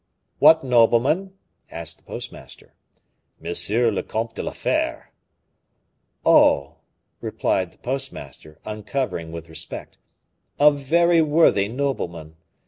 "What nobleman?" asked the postmaster. "M. le Comte de la Fere." "Oh!" replied the postmaster, uncovering with respect, "a very worthy nobleman.